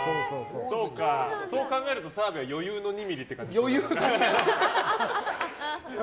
そう考えると澤部は余裕の２ｍｍって感じだ。